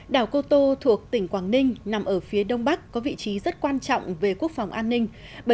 đảo cô tô thuộc tỉnh quảng ninh nằm ở phía đông bắc có vị trí rất quan trọng về quốc phòng an ninh